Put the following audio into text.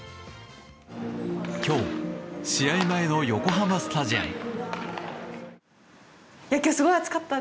今日、試合前の横浜スタジアム。